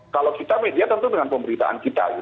kalau kita media tentu dengan pemberitaan kita